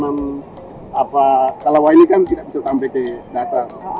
maher sangat antusias